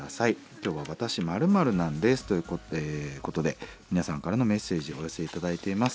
今日は「わたし○○なんです」ということで皆さんからのメッセージをお寄せ頂いています。